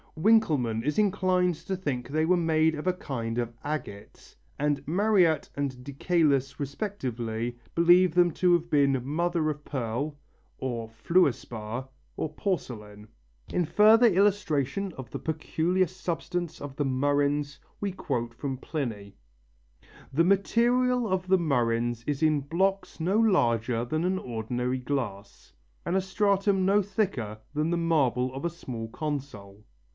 Winkelmann is inclined to think they were made of a kind of agate, and Mariette and de Caylus respectively believe them to have been mother of pearl, or fluor spar, or porcelain. In further illustration of the peculiar substance of the murrhines we quote from Pliny: "The material of the murrhines is in blocks no larger than an ordinary glass, and a stratum no thicker than the marble of a small console.